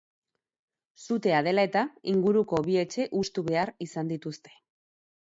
Sutea dela dela, inguruko bi etxe hustu behar izan dituzte.